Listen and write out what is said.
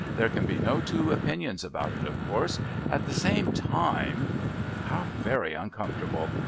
There can be no two opinions about it, of course. At the same time " How very uncomfortable!